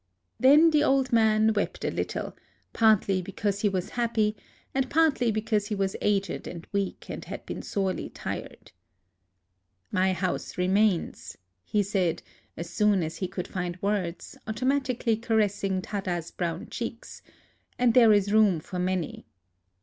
Then the old man wept a little, partly be cause he was happy, and partly because he was aged and weak and had been sorely tried. "My house remains," he said, as soon as he could find words, automatically caressing Tada's brown cheeks ;" and there is room for many.